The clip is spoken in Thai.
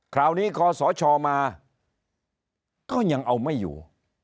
คราวนี้คอสชมาก็ยังเอาไม่อยู่